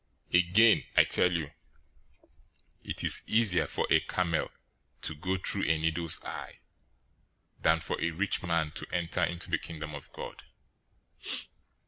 019:024 Again I tell you, it is easier for a camel to go through a needle's eye, than for a rich man to enter into the Kingdom of God."